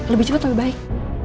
lebih cepat lebih baik